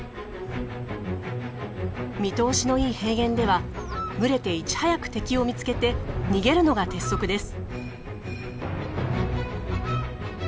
見通しのいい平原では群れていち早く敵を見つけて逃げるのが鉄則です。